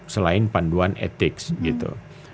selain panduan etik gitu